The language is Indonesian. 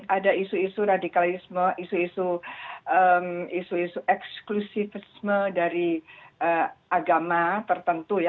ada isu isu radikalisme isu isu eksklusifisme dari agama tertentu ya